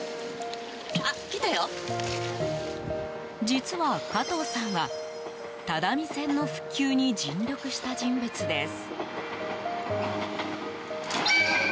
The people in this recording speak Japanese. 実は加藤さんは、只見線の復旧に尽力した人物です。